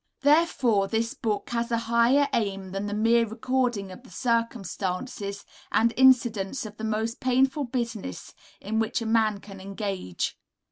Therefore, this book has a higher aim than the mere recording of the circumstances and incidents of the most painful business in which a man can engage.